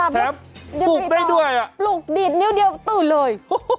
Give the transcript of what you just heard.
แถมปลูกได้ด้วยอ่ะปลูกดีดนิ้วเดียวตื่นเลย